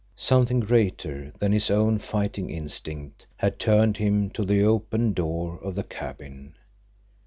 Something greater than his own fighting instinct had turned him to the open door of the cabin.